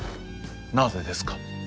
「なぜですか？」。